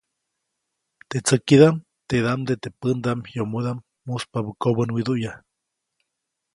Teʼ tsäkidaʼm, teʼdaʼmde teʼ pändaʼm yomodaʼm muspabä kobänwiduʼya.